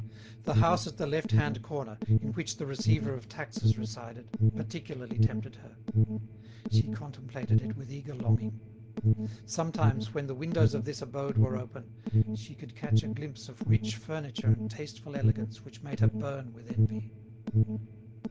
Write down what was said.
The house at the left hand corner, in which the receiver of taxes resided, particularly tempted her. She contemplated it with eager longing. Sometimes, when the windows of this abode were open, she could catch a glimpse of rich furniture and tasteful elegance which made her burn with envy.